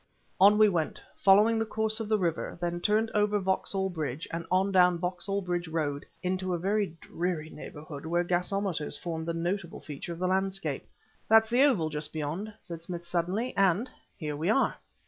On we went, following the course of the river, then turned over Vauxhall Bridge and on down Vauxhall Bridge Road into a very dreary neighborhood where gasometers formed the notable feature of the landscape. "That's the Oval just beyond," said Smith suddenly, "and here we are."